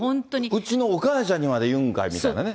うちのお母ちゃんにまで言うんかいみたいなね。